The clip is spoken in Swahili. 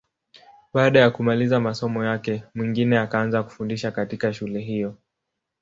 Baada ya kumaliza masomo yake, Mwingine akaanza kufundisha katika shule hiyo.